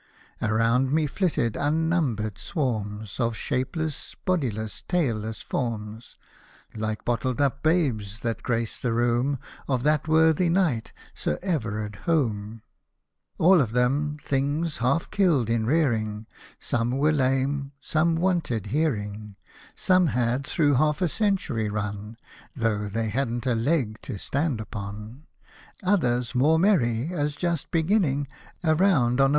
" Around me flitted unnumbered swarms Of shapeless, bodiless, tailless forms ; (Like bottled up babes, that grace the room Of that worthy knight, Sir Everard Home) — All of them, things half killed in rearing ; Some were lame — some wanted hearing; Some had through half a century run, Though they hadn't a leg to stand upon. Others, more merry, as just beginning. Around on 2l poi?